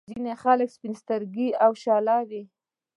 ځينې خلک سپين سترګي او شله وي.